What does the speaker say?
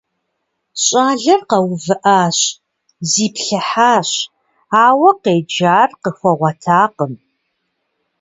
Щӏалэр къэувыӀащ, зиплъыхьащ, ауэ къеджар къыхуэгъуэтакъым.